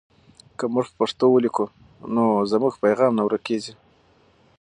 که موږ په پښتو ولیکو نو زموږ پیغام نه ورکېږي.